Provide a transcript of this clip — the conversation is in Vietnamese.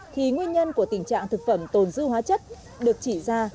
thì nguyên nhân của tình trạng thực phẩm tồn dư hóa chất được chỉ ra